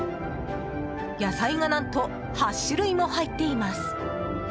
野菜が何と８種類も入っています。